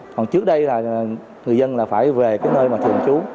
còn trước đây là người dân là phải về cái nơi mà thường trú